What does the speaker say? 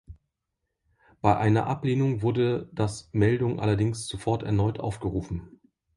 Bei einer Ablehnung wurde das Meldung allerdings sofort erneut aufgerufen.